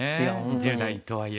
１０代とはいえ。